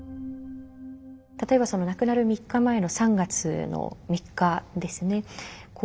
例えば亡くなる３日前の３月の３日ですね。